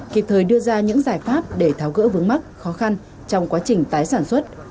kịp thời đưa ra những giải pháp để tháo gỡ vướng mắc khó khăn trong quá trình tái sản xuất